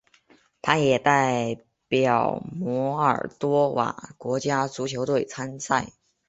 他也代表摩尔多瓦国家足球队参赛。